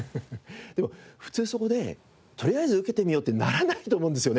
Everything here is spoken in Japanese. でも普通そこでとりあえず受けてみようってならないと思うんですよね。